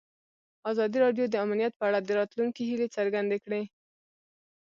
ازادي راډیو د امنیت په اړه د راتلونکي هیلې څرګندې کړې.